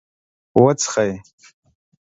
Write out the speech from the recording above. .وڅښئ